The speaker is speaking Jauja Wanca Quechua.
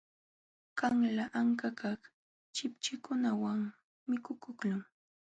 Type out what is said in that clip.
Qanla ankakaq chipchikunatam mikukuqlun.